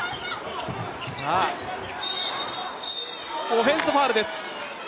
オフェンスファウルです。